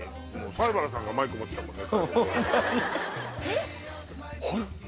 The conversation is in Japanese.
西原さんがマイク持ってたもんね。